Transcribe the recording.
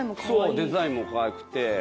そうデザインもかわいくて。